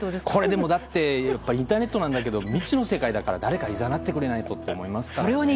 でもだってインターネットだけど未知の世界だから誰かいざなってくれないとと思いますよね。